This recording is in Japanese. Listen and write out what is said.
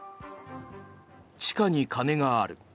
地下に金がある。